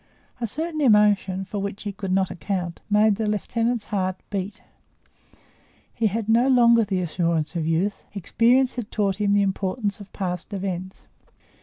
A certain emotion, for which he could not account, made the lieutenant's heart beat: he had no longer the assurance of youth; experience had taught him the importance of past events.